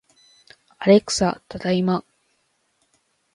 アレクサ、ただいま